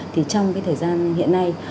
thì trong cái thời gian hiện nay